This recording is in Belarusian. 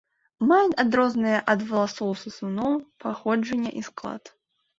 Маюць адрозныя ад валасоў сысуноў паходжанне і склад.